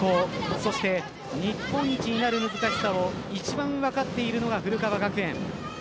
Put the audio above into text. そして日本一になる難しさを一番分かっているのが古川学園。